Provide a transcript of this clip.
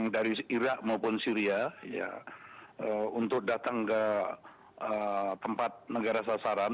dari irak maupun syria untuk datang ke tempat negara sasaran